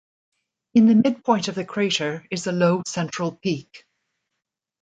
In the midpoint of the crater is a low central peak.